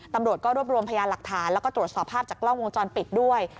ตำรวจก็รวบรวมพยานหลักฐานแล้วก็ตรวจสอบภาพจากกล้องวงจรปิดด้วย